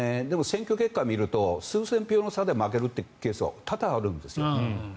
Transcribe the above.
でも選挙結果を見ると数千票の差で負けるケースは多々あるんです。